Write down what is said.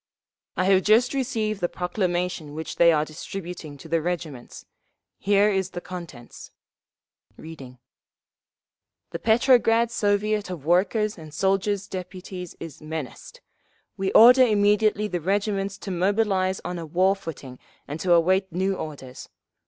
"I have just received the proclamation which they are distributing to the regiments. Here is the contents." Reading: _"'The Petrograd Soviet of Workers' and Soldiers' Deputies is menaced. We order immediately the regiments to mobilise on a war footing and to await new orders.